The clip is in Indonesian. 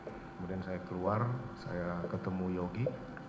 kemudian saya keluar saya ketemu yogi